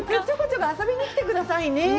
ちょこちょこ遊びに来てくださいね。